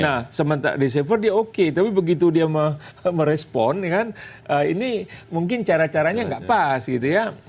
nah sementara dcever dia oke tapi begitu dia merespon kan ini mungkin cara caranya nggak pas gitu ya